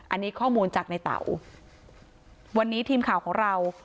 อันนี้ข้อมูลจากในเต๋าวันนี้ทีมข่าวของเรา